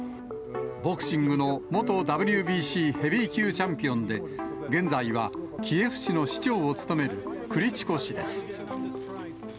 ボクシングの元ＷＢＣヘビー級チャンピオンで、現在はキエフ市の市長を務めるクリチコ氏です。